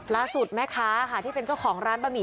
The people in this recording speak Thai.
ล่าสุดแม่ค้าที่เป็นเจ้าของร้านบะหมี่